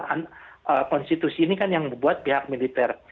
institusi ini kan yang membuat pihak militer